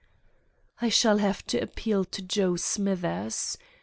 "I shall have to appeal to Joe Smithers.